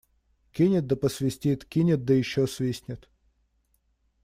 Кинет да посвистит, кинет да еще свистнет.